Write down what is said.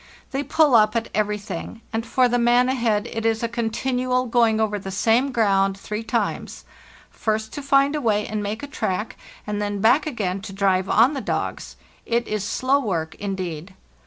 They pull up at everything, and for the man ahead it is a continual going over the same ground three times: first to find a way and make a track, and then back again to drive on the dogs; it is slow work indeed.